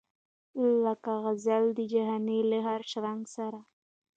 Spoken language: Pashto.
لکه غزل د جهاني له هره شرنګه سره